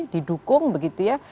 didukung begitu ya